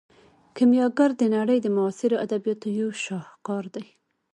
کیمیاګر د نړۍ د معاصرو ادبیاتو یو شاهکار دی.